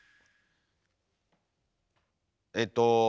えっと。